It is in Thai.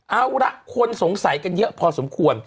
เอาละคนสงสัยกันเยอะพอสมควร